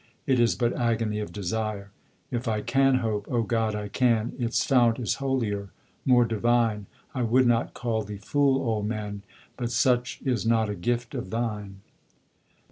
It is but agony of desire: If I can hope O God! I can Its fount is holier more divine I would not call thee fool, old man, But such is not a gift of thine.